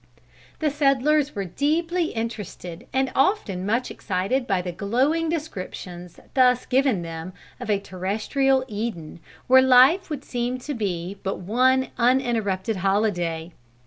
The settlers were deeply interested and often much excited by the glowing descriptions thus given them of a terrestrial Eden, where life would seem to be but one uninterrupted holiday.